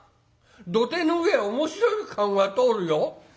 土手の上を面白い駕籠が通るよ。